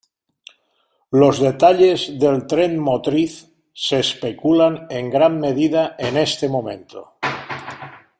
Los detalles del tren motriz se especulan en gran medida en este momento.